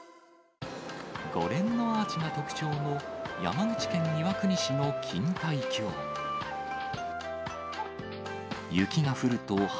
５連のアーチが特徴の山口県岩国市の錦帯橋。